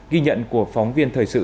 ghi nhận của phóng viên thời sự